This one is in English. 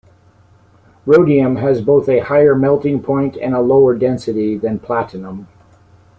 Rhodium has both a higher melting point and lower density than platinum.